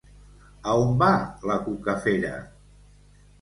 A on va la cucafera?